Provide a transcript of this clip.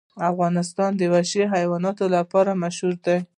افغانستان د وحشي حیواناتو لپاره مشهور دی.